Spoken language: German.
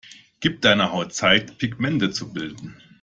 Gib deiner Haut Zeit, Pigmente zu bilden.